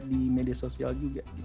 di media sosial juga